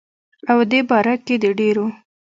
او دې باره کښې دَ ډيرو